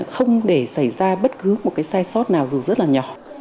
không để xảy ra bất cứ sai sót nào dù rất nhỏ